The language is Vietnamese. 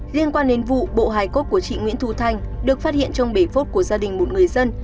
liên quan đến vụ bộ hài cốt của chị nguyễn thu thanh được phát hiện trong bể phốt của gia đình một người dân